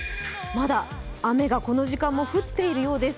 まだ雨がこの時間も降っているようです。